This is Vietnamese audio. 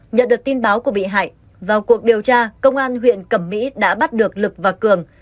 nhận được tin báo của bị hại vào cuộc điều tra công an huyện cẩm mỹ đã bắt được lực và cường